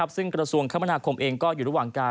ซึ่งกระทรวงคมนาคมเองก็อยู่ระหว่างการ